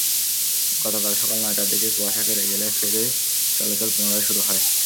গতকাল সকাল নয়টার দিকে কুয়াশা কেটে গেলে ফেরি চলাচল পুনরায় শুরু হয়।